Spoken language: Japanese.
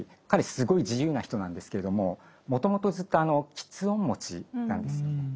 彼すごい自由な人なんですけれどももともとずっと吃音持ちなんです。